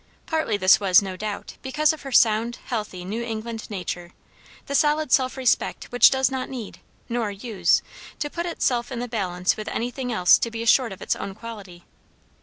Partly this was, no doubt, because of her sound, healthy New England nature; the solid self respect which does not need nor use to put itself in the balance with anything else to be assured of its own quality.